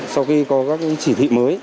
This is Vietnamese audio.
sau khi có các chỉ thị mới